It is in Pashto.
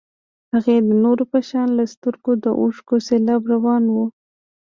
هغې د نورو په شان له سترګو د اوښکو سېلاب روان و.